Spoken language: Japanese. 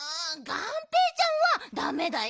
がんぺーちゃんはだめだよ。